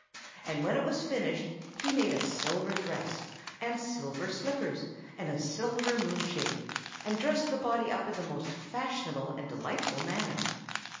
And when it was finished he made a silver dress, and silver slippers, and a silver moonshade, and dressed the body up in the most fashionable and delightful manner.